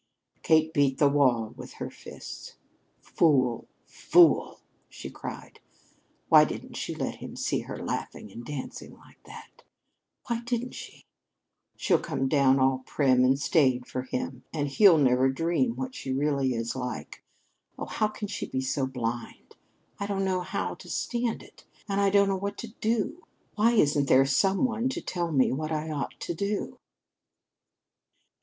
Kate beat the wall with her fists. "Fool! Fool!" she cried. "Why didn't she let him see her laughing and dancing like that? Why didn't she? She'll come down all prim and staid for him and he'll never dream what she really is like. Oh, how can she be so blind? I don't know how to stand it! And I don't know what to do! Why isn't there some one to tell me what I ought to do?"